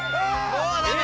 もうダメ！